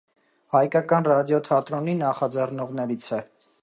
Հայկական ռադիոթատրոնի նախաձեռնողներից է։